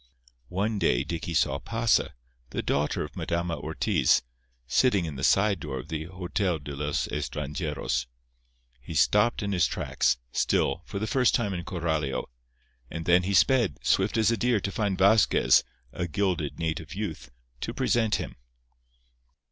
One day Dicky saw Pasa, the daughter of Madama Ortiz, sitting in the side door of the Hotel de los Estranjeros. He stopped in his tracks, still, for the first time in Coralio; and then he sped, swift as a deer, to find Vasquez, a gilded native youth, to present him.